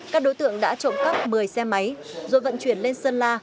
các đối tượng đã trộm cắp một mươi xe máy rồi vận chuyển lên sơn la